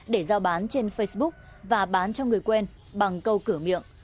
để giao bán trên facebook và bán cho người quen bằng câu cửa miệng